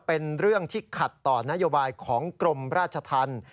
เป็นเรื่องที่ขัดต่อนโยบายของกรมราชธรรม